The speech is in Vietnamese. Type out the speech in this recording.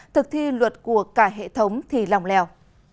thực thi luật của cả hệ thống thì lòng lèo